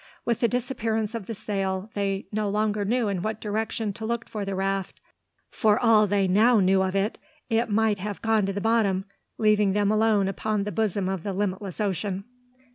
With the disappearance of the sail they no longer knew in what direction to look for the raft. For all they now knew of it, it might have gone to the bottom, leaving them alone upon the bosom of the limitless ocean.